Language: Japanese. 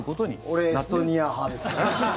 俺、エストニア派です。